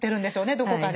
どこかで。